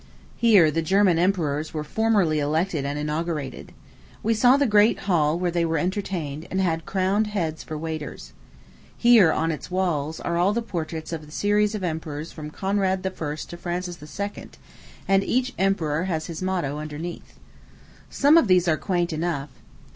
Here the German emperors were formerly elected and inaugurated. We saw the great hall where they were entertained and had crowned heads for waiters. Here, on its walls, are all the portraits of the series of emperors from Conrad I. to Francis II., and each emperor has his motto underneath. Some of these are quaint enough.